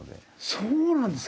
そうなんですか！